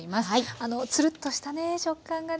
あのつるっとしたね食感がね